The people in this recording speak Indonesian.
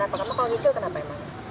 kenapa kamu kalau nyicil kenapa emang